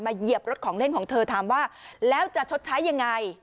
เหยียบรถของเล่นของเธอถามว่าแล้วจะชดใช้ยังไง